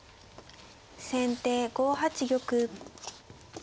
先手５八玉。